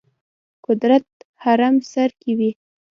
قدرت هرم سر کې وي.